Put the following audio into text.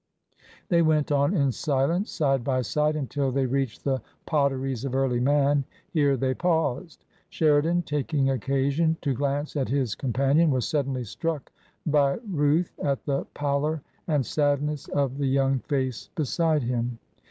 They went on in silence side by side until they reached TRANSITION. 243 the potteries of early man; here they paused. Sheridan, taking occasion to glance at his companion, was suddenly struck by ruth at the pallor and sadness of the young face beside him.